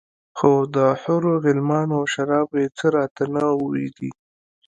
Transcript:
خو د حورو غلمانو او شرابو يې څه راته نه وو ويلي.